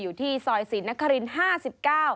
อยู่ที่ซอยศรีนคริน๕๙